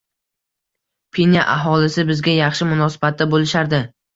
Pinya aholisi bizga yaxshi munosabatda bo`lishardi